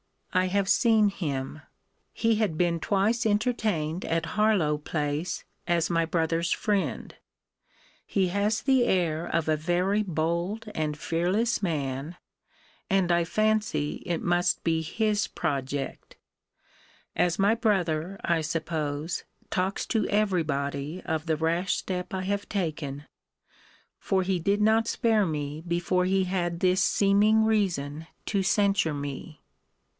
I have seen him. He had been twice entertained at Harlowe place, as my brother's friend. He has the air of a very bold and fearless man, and I fancy it must be his project; as my brother, I suppose, talks to every body of the rash step I have taken, for he did not spare me before he had this seeming reason to censure me.